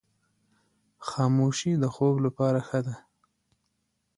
خاموشي د خوب لپاره ښه ده.